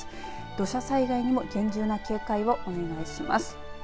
土砂災害にも厳重な警戒をお願いします。